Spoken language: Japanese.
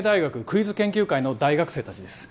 クイズ研究会の大学生達です